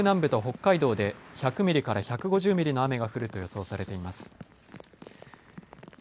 東北南部と北海道で１００ミリから１５０ミリの雨が降ると予想されています。